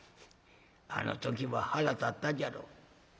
あの時は腹立ったじゃろ」。